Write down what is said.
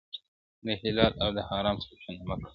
د حلال او د حرام سوچونه مکړه-